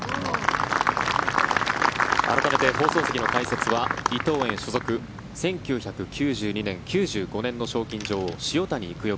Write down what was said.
改めて放送席の解説は伊藤園所属１９９２年、９５年の賞金女王塩谷育代